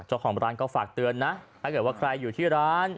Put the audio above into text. เจ้าของร้านก็ฝากเตือนนะถ้าเกิดว่าใครอยู่ที่ร้าน